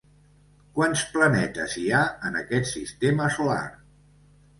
Quants planetes hi ha en aquest sistema solar?